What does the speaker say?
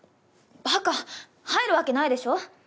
バカ入るわけないでしょ。